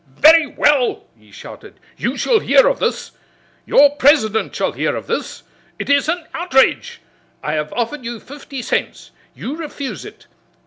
"Very well!" he shouted, "you shall hear of this! Your president shall hear of this! It is an outrage! I have offered you fifty cents. You refuse it!